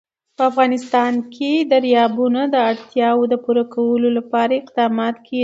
په افغانستان کې د دریابونه د اړتیاوو پوره کولو لپاره اقدامات کېږي.